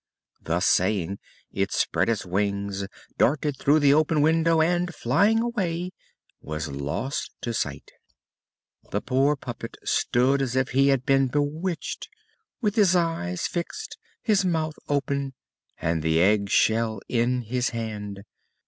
Thus saying, it spread its wings, darted through the open window and, flying away, was lost to sight. The poor puppet stood as if he had been bewitched, with his eyes fixed, his mouth open, and the egg shell in his hand.